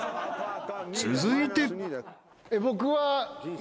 ［続いて］